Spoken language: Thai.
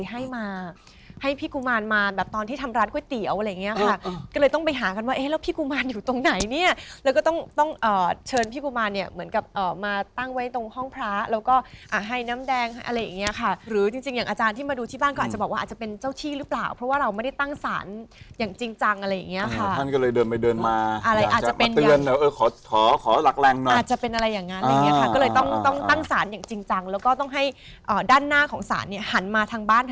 ให้มาให้พี่กุมารมาแบบตอนที่ทำร้านก๋วยเตี๋ยวอะไรอย่างเงี้ยค่ะก็เลยต้องไปหากันว่าเอ้ยแล้วพี่กุมารอยู่ตรงไหนเนี้ยแล้วก็ต้องต้องเอ่อเชิญพี่กุมารเนี้ยเหมือนกับเอ่อมาตั้งไว้ตรงห้องพระแล้วก็อ่าให้น้ำแดงอะไรอย่างเงี้ยค่ะหรือจริงจริงอย่างอาจารย์ที่มาดูที่บ้านก็อาจจะบอกว่าอาจจะเป็นเจ้าที่หร